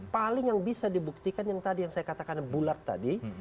paling yang bisa dibuktikan yang tadi yang saya katakan bulat tadi